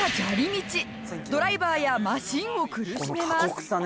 ドライバーやマシンを苦しめます。